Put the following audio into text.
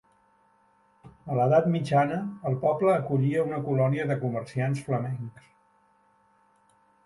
A l'Edat Mitjana, el poble acollia una colònia de comerciants flamencs.